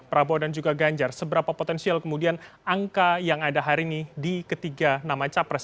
prabowo dan juga ganjar seberapa potensial kemudian angka yang ada hari ini di ketiga nama capres